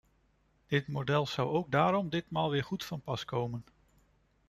Dit model zou ook daarom ditmaal weer goed van pas komen!